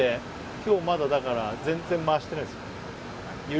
今日、まだ、だから全然回していないです。